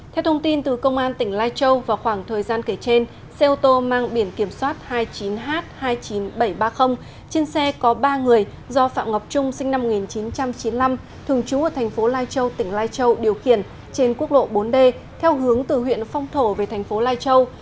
theo thông tin từ công an tỉnh lai châu vào khoảng thời gian kể trên xe ô tô mang biển kiểm soát hai mươi chín h hai mươi chín nghìn bảy trăm ba mươi trên xe có ba người do phạm ngọc trung sinh năm một nghìn chín trăm chín mươi năm thường trú ở thành phố lai châu tỉnh lai châu điều khiển trên quốc lộ bốn d theo hướng từ huyện phong thổ về thành phố lai châu